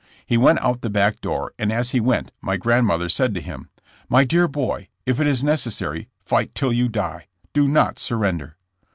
He went out the back door, and as he went my grand mother said to him : "My dear boy, if it is necessary, fight till you die. Do not surrender."